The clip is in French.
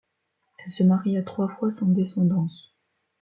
Elle se maria trois fois sans déscendance.